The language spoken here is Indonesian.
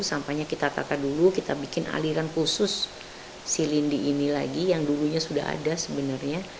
sampahnya kita tata dulu kita bikin aliran khusus si lindi ini lagi yang dulunya sudah ada sebenarnya